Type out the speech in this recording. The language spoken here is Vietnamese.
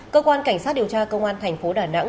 cơ quan cảnh sát điều tra công an thành phố đà nẵng